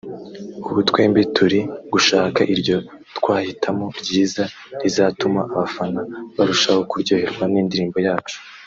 ubu twembi turi gushaka iryo twahitamo ryiza rizatuma abafana barushaho kuryoherwa n’indirimbo yacu